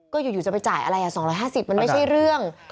ก็อยู่จะไปจ่ายอะไร๒๕๐มันไม่ใช่เรื่อง